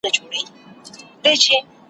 چي د چا په غاړه طوق د غلامۍ سي `